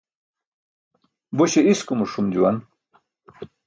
Buśe iskumuc ṣum juwan.